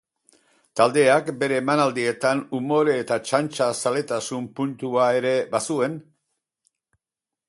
Taldeak bere emanaldietan umore eta txantxa-zaletasun puntua ere bazuen.